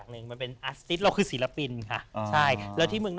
เอาผู้ชายมาแต่ง